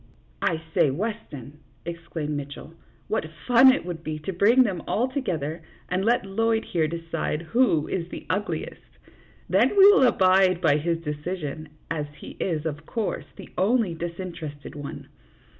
" I say, Weston," exclaimed Mitchell, " what fun it would be to bring them all together, and let Lloyd, here, decide who is the ugliest ; then we will abide by his decision, as he is, of course, the only disinterested one.